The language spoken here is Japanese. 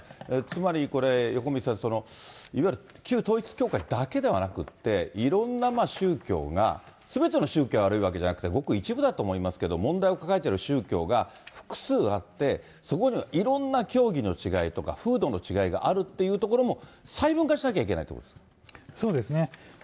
つまりこれ、横道先生、いわゆる旧統一教会だけではなくて、いろんな宗教が、すべての宗教が悪いわけではなくて、ごく一部だと思いますけど、問題を抱えてる宗教が複数あって、そこにはいろんな教義の違いとか、風土の違いがあるっていうことを細分化しなきゃいけないってことそうですね。